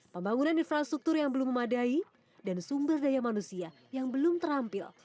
pembangunan infrastruktur yang belum memadai dan sumber daya manusia yang belum terampil